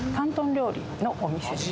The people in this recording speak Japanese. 料理のお店です